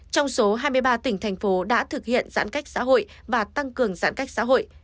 trong số hai mươi ba tỉnh thành phố đã thực hiện giãn cách xã hội và tăng cường giãn cách xã hội